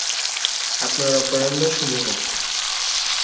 আপনার অপরাহ্ন শুভ হোক।